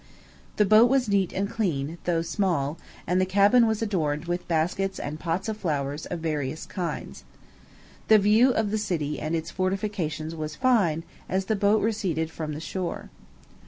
The boat was neat and clean, though small, and the cabin was adorned with baskets and pots of flowers of various kinds. The view of the city and its fortifications was fine, as the boat receded from the shore.